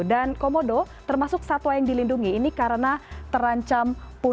komodo termasuk satwa yang dilindungi ini karena terancam pun